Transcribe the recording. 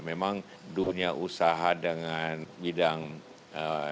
memang dunia usaha dengan bidang ekonomi